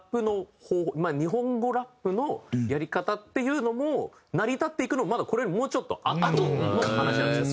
日本語ラップのやり方っていうのも成り立っていくのもまだこれよりもうちょっとあとの話なんですよ。